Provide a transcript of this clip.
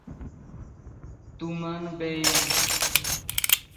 পাশাপাশি নিচের সারির কার্যকরী ব্যাটসম্যান হিসেবে ডানহাতে ব্যাটিং করেন।